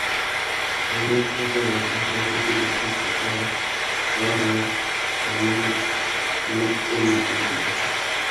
আমি হোটেলের ভিতরে ঢুকে দেখি কোথায় টম আর সনিককে লুকিয়ে রেখেছে।